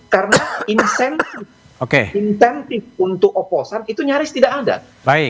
karena insentif untuk oposan itu nyaris tidak ada